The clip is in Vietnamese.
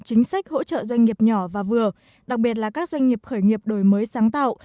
chính sách hỗ trợ doanh nghiệp nhỏ và vừa đặc biệt là các doanh nghiệp khởi nghiệp đổi mới sáng tạo